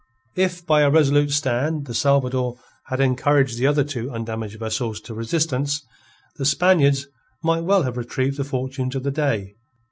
If by a resolute stand the Salvador had encouraged the other two undamaged vessels to resistance, the Spaniards might well have retrieved the fortunes of the day.